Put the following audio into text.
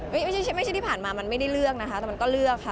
ไม่ใช่ไม่ใช่ที่ผ่านมามันไม่ได้เลือกนะคะแต่มันก็เลือกค่ะ